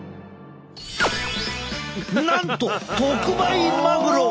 なんと特売マグロ！